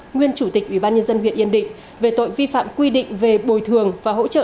nguyên chủ tịch ủy ban nhân dân huyện yên định về tội vi phạm quy định về bồi thường và hỗ trợ